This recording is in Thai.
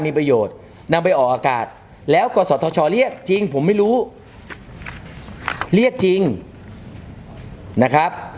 มีประโยชน์นำไปออกอากาศแล้วกศธชเรียกจริงผมไม่รู้เรียกจริงนะครับ